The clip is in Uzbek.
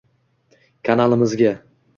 Kanalimizga